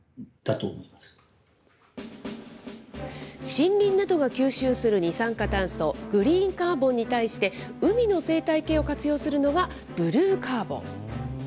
森林などが吸収する二酸化炭素、グリーンカーボンに対して、海の生態系を活用するのが、ブルーカーボン。